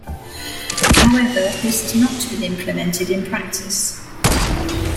However this has not been implemented in practice.